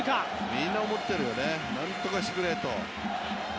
みんな思ってるよね、なんとかしてくれと。